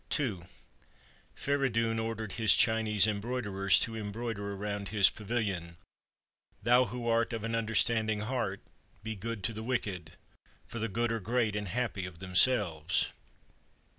II Feridun ordered his Chinese embroiderers to embroi der around his pavilion: "Thou who art of an under standing heart, be good to the wicked, for the good are great and happy of themselves."